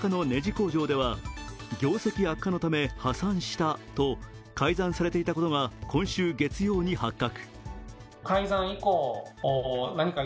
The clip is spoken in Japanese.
工場では、業績悪化のため破産したと改ざんされていたことが今週月曜に発覚。